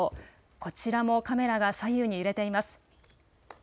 こちらもカメラが左右に揺れています。